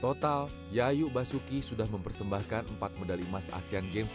total yayu basuki sudah mempersembahkan empat medali emas asean games